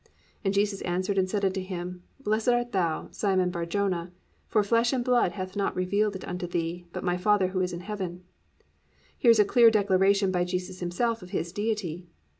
And Jesus answered and said unto him, Blessed art thou, Simon Bar Jona: for flesh and blood hath not revealed it unto thee, but my father who is in heaven."+ Here is a clear declaration by Jesus Himself of His Deity.